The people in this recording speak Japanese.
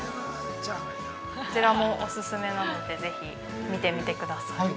◆こちらもオススメなのでぜひ見てみてください。